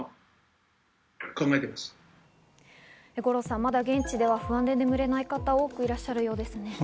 五郎さん、まだ現地では不安で眠れない方、多くいらっしゃるようですね。